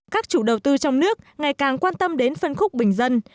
các chủ đầu tư trong nước ngày càng quan tâm đến phân khúc bình dân